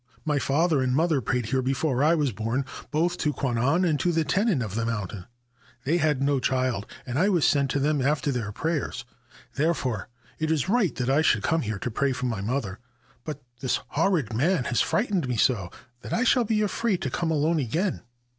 My father and mother prayed here before I was born both to Kwannon and to the Tennin l of the mountain. They had no child, and I was sent to them after their prayers. Therefore it is right that I should come here to pray for my mother ; but this horrid man has frightened me so that I shall be afraid to come alone again.'